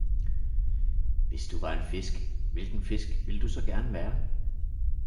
Hvis du var en fisk, hvilken fisk ville du så gerne være?